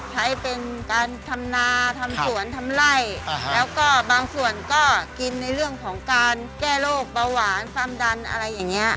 ใช้เป็นการทำนาทำสวนทำไล่แล้วก็บางส่วนก็กินในเรื่องของการแก้โรคเบาหวานความดันอะไรอย่างนี้